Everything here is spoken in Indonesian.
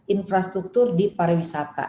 infrastruktur di pariwisata